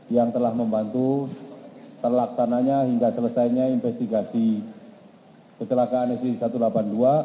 yang telah membantu terlaksananya hingga selesainya investigasi kecelakaan sg satu ratus delapan puluh dua